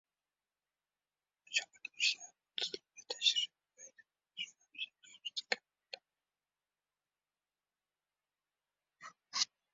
Shavkat Mirziyoyev hududlarga tashrifi paytidagi ko‘zbo‘yamachiliklar haqida gapirdi